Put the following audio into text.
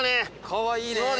かわいいねぇ。